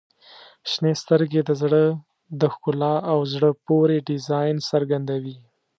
• شنې سترګې د زړه د ښکلا او زړه پورې ډیزاین څرګندوي.